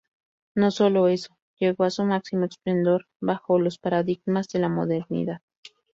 No solo eso, llegó a su máximo esplendor bajo los paradigmas de la modernidad.